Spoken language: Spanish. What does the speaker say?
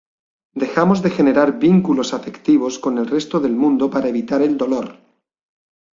Dejamos de generar vínculos afectivos con el resto del mundo para evitar el dolor.